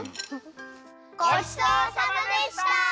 ごちそうさまでした！